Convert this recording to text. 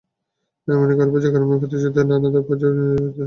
এমনি করে পর্যায়ক্রমে প্রতিযোগিতার নানা ধাপ পেরিয়ে নির্বাচিত হবেন সেরা রাঁধুনি।